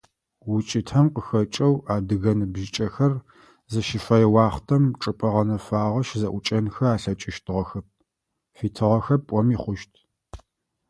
УкӀытэм къыхэкӀэу адыгэ ныбжьыкӀэхэр зыщыфэе уахътэм чӀыпӀэ гъэнэфагъэ щызэӀукӀэнхэ алъэкӀыщтыгъэхэп, фитыгъэхэп пӀоми хъущт.